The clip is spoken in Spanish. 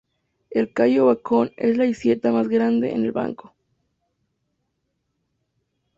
El Cayo Beacon es la isleta más grande en el banco.